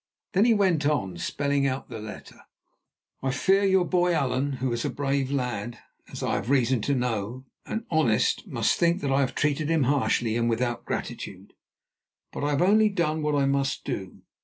Then he went on, spelling out the letter: "'I fear your boy Allan, who is a brave lad, as I have reason to know, and honest, must think that I have treated him harshly and without gratitude. But I have only done what I must do.